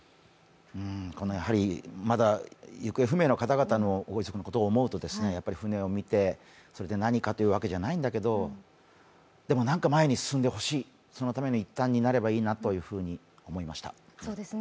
まだ行方不明の方々のご遺族のことを思うと船を見て、それで何かというわけじゃないんだけどでも何か前に進んでほしい、そのための一端になればいいなと思いました。